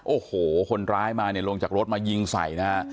โอ้โหคนร้ายมาเนี่ยลงจากรถมายิงใส่นะฮะ